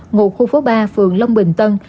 ngụ khu phố ba phường long bình tân